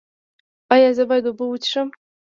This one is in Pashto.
ایا زه باید اوبه وڅښم؟